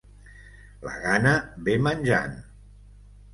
La gana ve menjant.